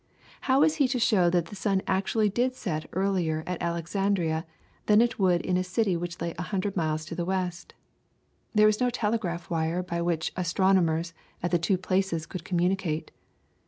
How was he to show that the sun actually did set earlier at Alexandria than it would in a city which lay a hundred miles to the west? There was no telegraph wire by which astronomers at the two Places could communicate.